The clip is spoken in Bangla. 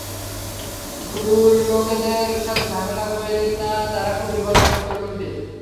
গুরুর লোকেদের সাথে ঝামেলা কইরেন না, তারা খুবই বিপজ্জনক প্রকৃতির।